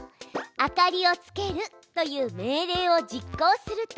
「明かりをつける」という命令を実行すると。